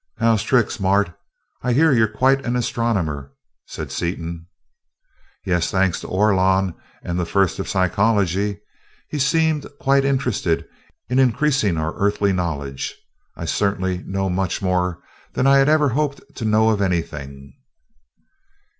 "How's tricks, Mart? I hear you're quite an astronomer?" said Seaton. "Yes, thanks to Orlon and the First of Psychology. He seemed quite interested in increasing our Earthly knowledge. I certainly know much more than I had ever hoped to know of anything."